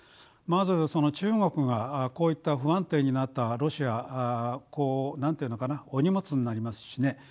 まず中国がこういった不安定になったロシアこう何て言うのかなお荷物になりますしね。